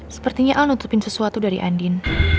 sepertinya al nutupin sesuatu dari andin